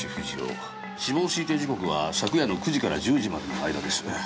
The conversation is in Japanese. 死亡推定時刻は昨夜の９時から１０時までの間です。